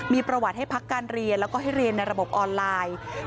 มีประวัติให้พักการเรียนแล้วก็ให้เรียนในระบบออนไลน์